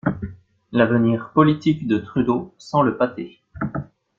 L'avenir politique de Trudeau sent le pâté.